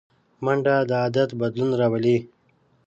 منډه د عادت بدلون راولي